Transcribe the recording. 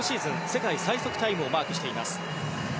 世界最速タイムをマークしています。